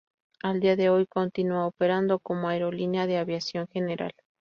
A día de hoy continúa operando como aerolínea de aviación general.